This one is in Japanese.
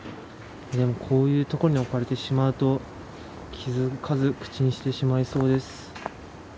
こういう所に置かれてしまうと気付かず口にしてしまいそうです。